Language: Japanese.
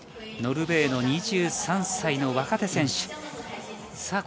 ノルウェーの２３歳の若手選手。